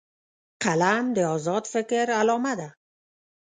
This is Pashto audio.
قلم د آزاد فکر علامه ده